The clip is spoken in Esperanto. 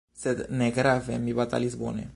Sed negrave: mi batalis bone.